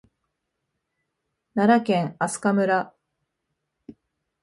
奈良県明日香村